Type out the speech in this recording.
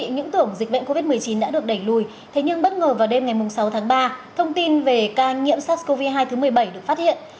những tưởng dịch bệnh covid một mươi chín đã được đẩy lùi thế nhưng bất ngờ vào đêm ngày sáu tháng ba thông tin về ca nhiễm sars cov hai thứ một mươi bảy được phát hiện